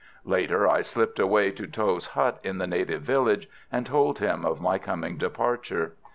Later I slipped away to Tho's hut in the native village, and told him of my coming departure.